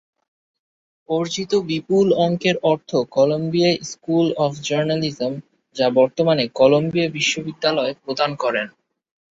অর্জিত বিপুল অঙ্কের অর্থ কলম্বিয়া স্কুল অব জার্নালিজম যা বর্তমানে কলম্বিয়া বিশ্ববিদ্যালয়ে প্রদান করেন।